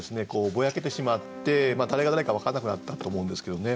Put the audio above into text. ぼやけてしまって誰が誰か分からなくなったと思うんですけどもね